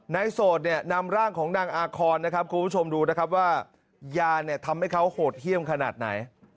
โสดเนี่ยนำร่างของนางอาคอนนะครับคุณผู้ชมดูนะครับว่ายาเนี่ยทำให้เขาโหดเยี่ยมขนาดไหน